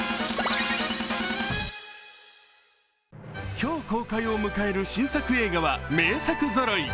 今日公開を迎える新作映画は名作ぞろい。